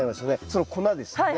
その粉ですよね。